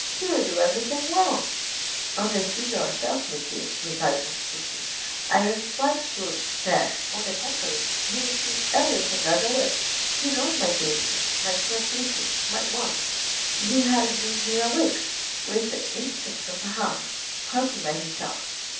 —he will do everything wrong." "Undeceive yourself, monsieur," replied Monte Cristo; "I am quite sure, that, on the contrary, he will choose everything as I wish. He knows my tastes, my caprices, my wants. He has been here a week, with the instinct of a hound, hunting by himself.